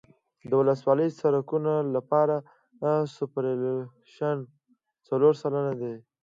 د ولسوالي سرکونو لپاره سوپرایلیویشن څلور سلنه دی